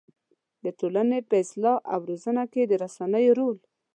د ټولنې په اصلاح او روزنه کې د رسنيو رول